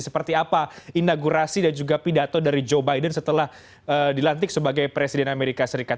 seperti apa inaugurasi dan juga pidato dari joe biden setelah dilantik sebagai presiden amerika serikat